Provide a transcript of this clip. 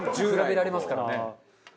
比べられますからね。